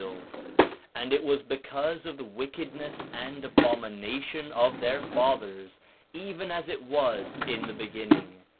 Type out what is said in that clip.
4 Nephi 1:39 And it was because of the wickedness and abomination of their fathers, even as it was in the beginning.